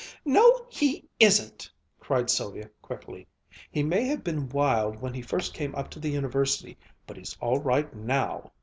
"No, he isn't!" cried Sylvia quickly. "He may have been wild when he first came up to the University, but he's all right now!"